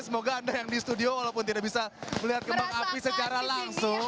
semoga anda yang di studio walaupun tidak bisa melihat kembang api secara langsung